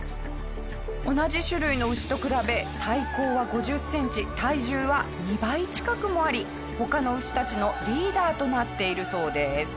同じ種類の牛と比べ体高は５０センチ体重は２倍近くもあり他の牛たちのリーダーとなっているそうです。